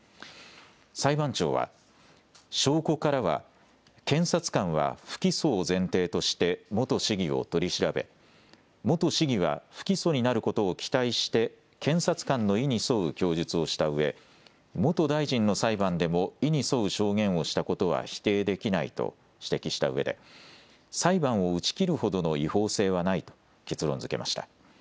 裁判長は、証拠からは検察官は不起訴を前提として元市議を取り調べ元市議は不起訴になることを期待して検察官の意に沿う供述をしたうえ元大臣の裁判でも意に沿う証言をしたことは否定できないと指摘したうえで裁判を打ち切るほどの違法性はないと結論づけました。